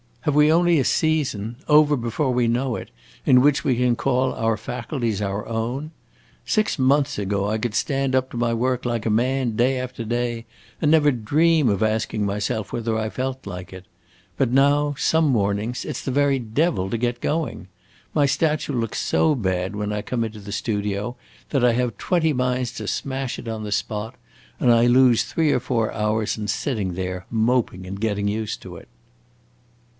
Have we only a season, over before we know it, in which we can call our faculties our own? Six months ago I could stand up to my work like a man, day after day, and never dream of asking myself whether I felt like it. But now, some mornings, it 's the very devil to get going. My statue looks so bad when I come into the studio that I have twenty minds to smash it on the spot, and I lose three or four hours in sitting there, moping and getting used to it."